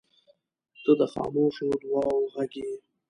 • ته د خاموشو دعاوو غږ یې.